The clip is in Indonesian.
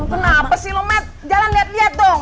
kenapa sih lu mat jalan liat liat dong